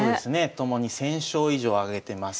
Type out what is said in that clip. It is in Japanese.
ともに１，０００勝以上挙げてます。